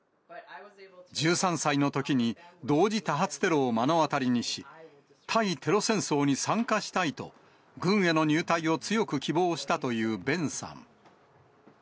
１３歳のときに、同時多発テロを目の当たりにし、対テロ戦争に参加したいと、軍への入隊を強く希望したというベンさん。